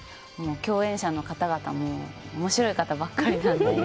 共演者の方々も面白い方ばかりなので。